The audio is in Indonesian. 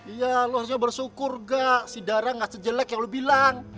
iya lo harusnya bersyukur gak si darah gak sejelek yang lo bilang